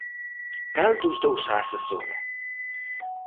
¿Cal dos dous a asesora?